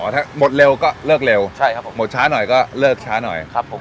ถ้าหมดเร็วก็เลิกเร็วใช่ครับผมหมดช้าหน่อยก็เลิกช้าหน่อยครับผม